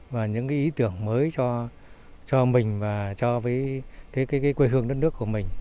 và những cái ý tưởng mới cho mình và cho với cái quê hương đất nước của mình